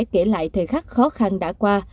kể lại thời khắc khó khăn đã qua